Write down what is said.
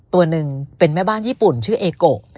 ตัวหนึ่งเป็นแม่บ้านญี่ปุ่นชื่อเอโก